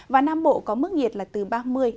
và nam bộ có mức nhiệt là từ ba mươi ba mươi ba độ